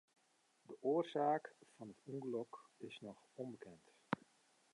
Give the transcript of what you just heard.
De oarsaak fan it ûngelok is noch ûnbekend.